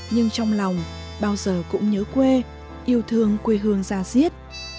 nhưng trong lòng bao giờ cũng nhớ quê yêu thương quê hương gia diết